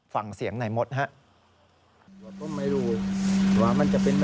ฝั่งเสียงหน่ายมดครับ